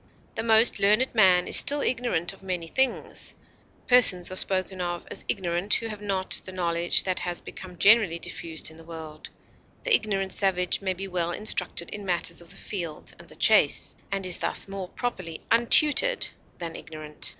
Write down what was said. The most learned man is still ignorant of many things; persons are spoken of as ignorant who have not the knowledge that has become generally diffused in the world; the ignorant savage may be well instructed in matters of the field and the chase, and is thus more properly untutored than ignorant.